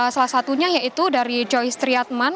salah satunya yaitu dari joyce triatman